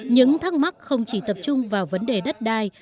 những thắc mắc không chỉ tập trung vào vấn đề đất đai